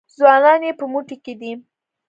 ځوانان یې په موټي کې دي.